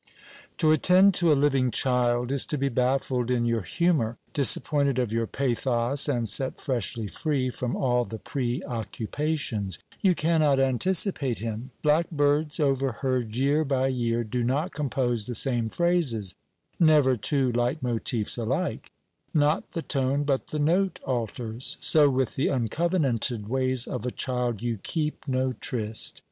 To attend to a living child is to be baffled in your humour, disappointed of your pathos, and set freshly free from all the pre occupations. You cannot anticipate him. Blackbirds, overheard year by year, do not compose the same phrases; never two leitmotifs alike. Not the tone, but the note alters. So with the uncovenated ways of a child you keep no tryst.